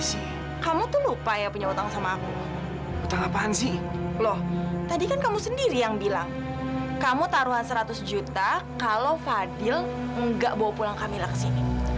saya tidak mau mendengar penjelasan apapun dari kamu